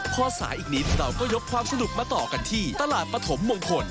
พอสายอีกนิดเราก็ยกความสนุกมาต่อกันที่ตลาดปฐมมงคล